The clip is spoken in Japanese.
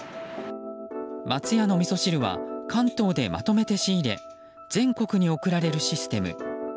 松屋のみそ汁は関東でまとめて仕入れ全国に送られるシステム。